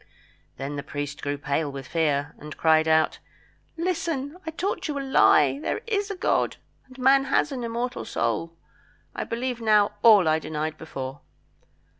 Then the priest grew pale with fear, and cried out "Listen! I taught you a lie. There is a God, and man has an immortal soul. I believe now all I denied before."